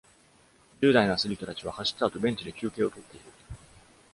十代のアスリートたちは、走った後ベンチで休憩をとっている。